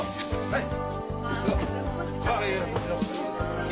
はい。